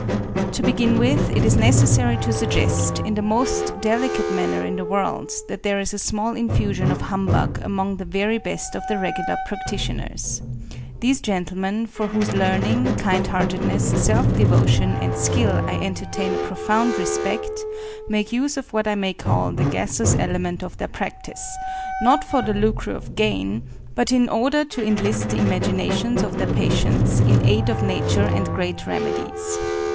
To begin with, it is necessary to suggest, in the most delicate manner in the world, that there is a small infusion of humbug among the very best of the regular practitioners. These gentlemen, for whose learning, kind heartedness, self devotion, and skill I entertain a profound respect, make use of what I may call the gaseous element of their practice, not for the lucre of gain, but in order to enlist the imaginations of their patients in aid of nature and great remedies.